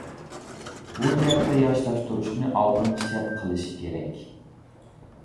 بۇ جەھەتتە ياشلاشتۇرۇشنى ئالدىنقى شەرت قىلىش كېرەك.